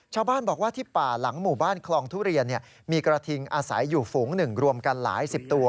ชาวบ้านบอกว่าที่ป่าหลังหมู่บ้านคลองทุเรียนมีกระทิงอาศัยอยู่ฝูงหนึ่งรวมกันหลายสิบตัว